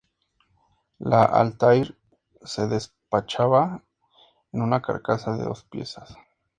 La Altair se despachaba en una carcasa de dos piezas.